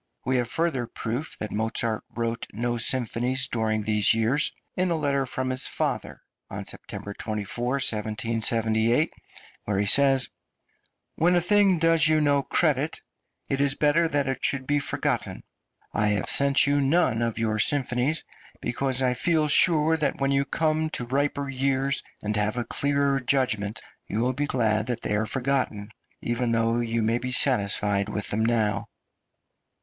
We have further proof that Mozart wrote no symphonies during these years in a letter from his father, on September 24, 1778, where he says: "When a thing does you no credit, it is better that it should be forgotten. I have sent you none of your symphonies because I feel sure that when you have come to riper years, and have a clearer judgment, you will be glad that they are forgotten, even though you may be satisfied with them now."